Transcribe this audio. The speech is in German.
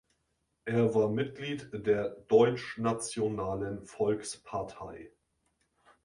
Er war Mitglied der Deutschnationalen Volkspartei.